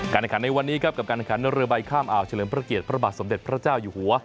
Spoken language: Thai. ในขันในวันนี้ครับกับการขันเรือใบข้ามอ่าวเฉลิมพระเกียรติพระบาทสมเด็จพระเจ้าอยู่หัว